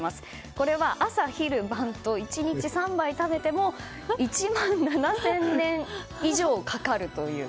これは朝、昼、晩と１日３杯食べても１万７０００年以上かかるという。